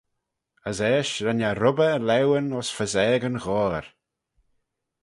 As eisht ren e rubbey e laueyn ayns faasaig yn ghoayr.